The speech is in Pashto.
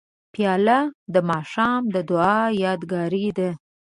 پیاله د ماښام د دعا یادګار ده.